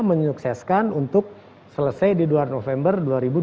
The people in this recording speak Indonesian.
menyukseskan untuk selesai di dua november dua ribu dua puluh